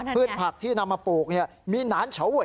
พืชผักที่นำมาปลูกนี่มีน้านเฉาเว่ย